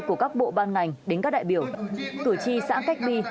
của các bộ ban ngành đến các đại biểu cử tri xã cách bi